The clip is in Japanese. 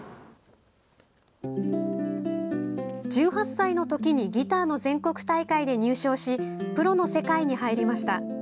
１８歳のときにギターの全国大会で入賞しプロの世界に入りました。